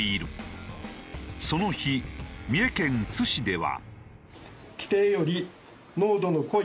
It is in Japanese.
その日三重県津市では。